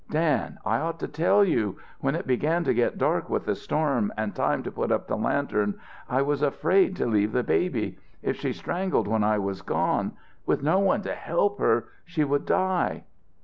"Dan, I ought to tell you. When it began to get dark with the storm and time to put up the lantern, I was afraid to leave the baby. If she strangled when I was gone with no one to help her she would die!"